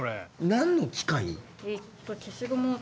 何の機械？